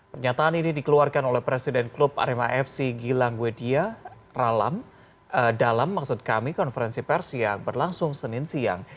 pernyataan ini dikeluarkan oleh presiden klub arema fc gilangwedia dalam maksud kami konferensi persiang berlangsung senin siang